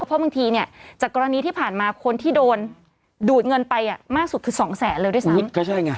เพราะบางทีเนี่ยจากกรณีที่ผ่านมาคนที่โดนดูดเงินไปมากสุดคือ๒แสนเลยด้วยซ้ำ